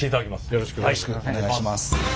よろしくお願いします。